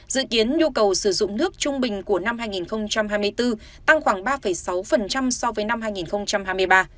dự kiến nhu cầu sử dụng nước trung bình của năm hai nghìn hai mươi bốn tăng khoảng ba sáu so với năm hai nghìn hai mươi ba